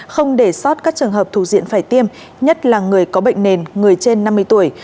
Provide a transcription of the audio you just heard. không để sót các trường hợp thủ diện phải tiêm nhất là người có bệnh nền người trên năm mươi tuổi